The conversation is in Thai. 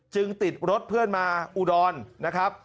จึงติดรถเพื่อนมาอุดรนะครับ